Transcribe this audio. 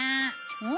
うん？